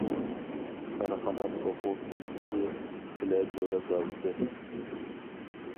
كارخانا توخۇ فېرمىسى، پىلە دورا زاۋۇتى.